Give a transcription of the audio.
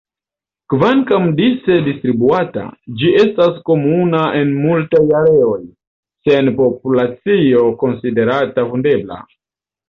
Kvankam dise distribuata, ĝi estas komuna en multaj areoj, sen populacio konsiderata vundebla.